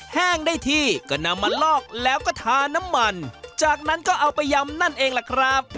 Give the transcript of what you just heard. แห้งได้ที่ก็นำมาลอกแล้วก็ทาน้ำมันจากนั้นก็เอาไปยำนั่นเองล่ะครับ